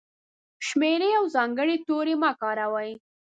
شمېرې او ځانګړي توري مه کاروئ!.